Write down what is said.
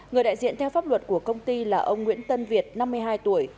người đại diện theo pháp luật của công ty là ông nguyễn tân việt năm mươi hai tuổi